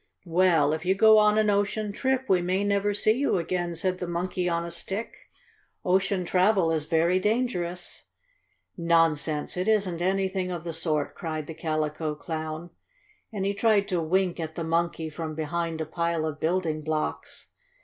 "Well, if you go on an ocean trip we may never see you again," said the Monkey on a Stick. "Ocean travel is very dangerous." "Nonsense! It isn't anything of the sort!" cried the Calico Clown, and he tried to wink at the Monkey from behind a pile of building blocks.